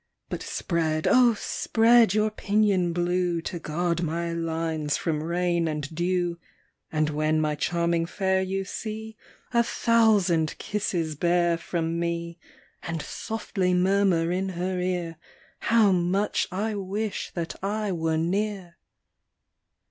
But spread, O spread your pinion blue, To guard my lines from rain and dew : And when my charming fair you see, A thousand kisses bear from me, And softly murmur in her ear How much I wish that I were near